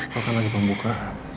makan lagi pembuka